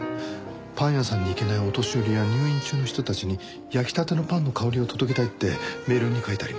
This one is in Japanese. パン屋さんに行けないお年寄りや入院中の人たちに焼きたてのパンの香りを届けたいってメールに書いてあります。